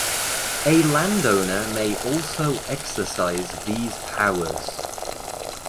A landowner may also exercise these powers.